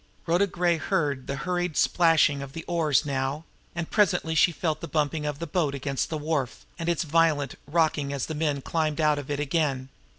Rhoda Gray heard the hurried splashing of the oars now; and presently she felt the bumping of the boat against the wharf, and its violent rocking as the men climbed out of it again.